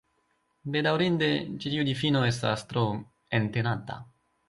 Bedaŭrinde, ĉi tiu difino estas tro entenanta.